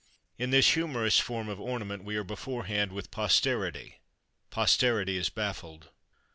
In this humorous form of ornament we are beforehand with Posterity. Posterity is baffled.